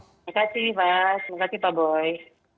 terima kasih pak terima kasih pak boy